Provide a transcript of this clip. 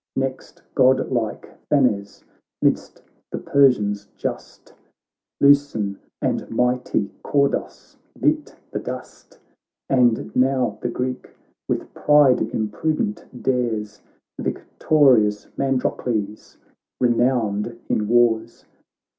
Next godlike Phanes, midst the Persians just, Leucon and mighty Caudos bit the dust ; And now the Greek, with pride im prudent, dares Victorious Mandrocles, renowned in wars.